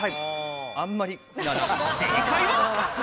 正解は。